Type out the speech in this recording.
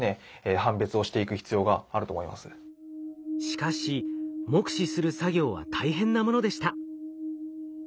しかし目視する作業は大変なものでした。